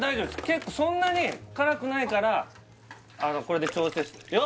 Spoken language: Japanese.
結構そんなに辛くないからあのこれで調節いや